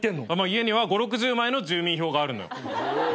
家には５０６０枚の住民票があるのよ。